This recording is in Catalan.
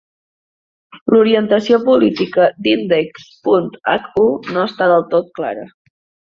L'orientació política d'Index.hu no està del tot clara.